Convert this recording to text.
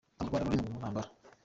Ntabwo u Rwanda ruri mu ntambara